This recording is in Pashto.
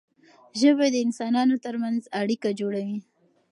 ژبه د انسانانو ترمنځ اړیکه جوړوي.